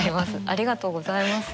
ありがとうございます。